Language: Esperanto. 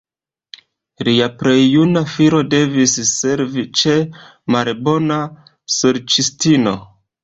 Lia plej juna filo devis servi ĉe malbona sorĉistino.